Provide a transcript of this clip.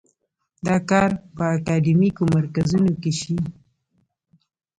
دا کار په اکاډیمیکو مرکزونو کې شي.